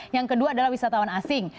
yang kedua adalah wisatawan asing